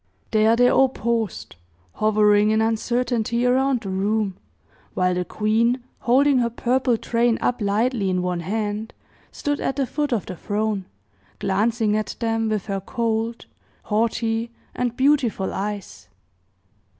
There they all paused, hovering in uncertainty around the room, while the queen, holding her purple train up lightly in one hand, stood at the foot of the throne, glancing at them with her cold, haughty and beautiful eyes.